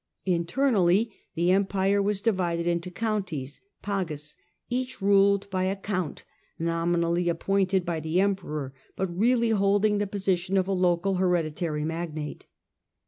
Internally the Empire was divided into counties Local magus), each ruled by a count nominally appointed bytion the Emperor, but really holding the position of a local hereditary magnate.